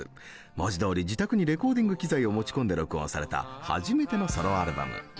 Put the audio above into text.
文字どおり自宅にレコーディング機材を持ち込んで録音された初めてのソロアルバム。